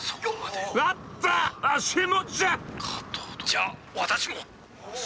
「じゃあ私も」。